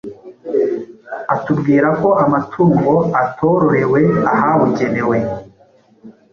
atubwira ko amatungo atororewe ahabugenewe